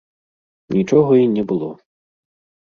Нічога і не было.